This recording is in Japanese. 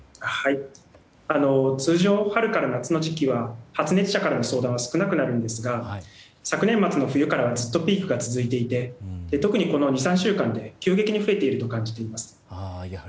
通常、春から夏の時期は発熱者は少なくなるんですが昨年末の冬からはずっとピークが続いていて特にこの２３週間で急激に増えていると感じています。